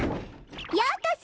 ようこそ！